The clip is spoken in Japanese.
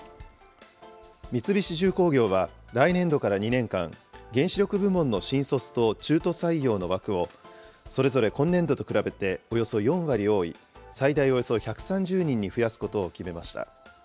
三菱重工業は、来年度から２年間、原子力部門の新卒と中途採用の枠を、それぞれ今年度と比べて、およそ４割多い、最大およそ１３０人に増やすことを決めました。